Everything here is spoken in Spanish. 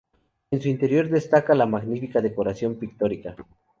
En su interior destaca la magnífica decoración pictórica.